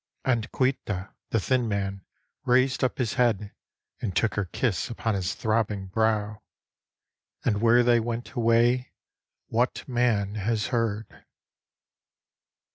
And Caoilte, the thin man, raised up his head And took her kiss upon .his throbbing brow. And where they went away what man has heard?